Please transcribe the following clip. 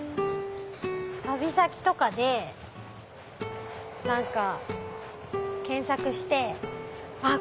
旅先とかで何か検索してあっ